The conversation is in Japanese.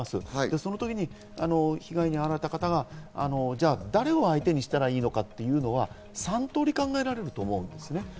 その時に被害に遭われた方がじゃあ誰を相手にしたらいいのかというのは３通り考えられます。